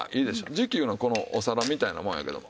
磁器いうのはこのお皿みたいなもんやけども。